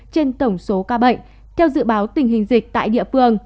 trên tổng số ca bệnh theo dự báo tình hình dịch tại địa phương